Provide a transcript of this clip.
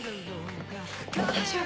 大丈夫？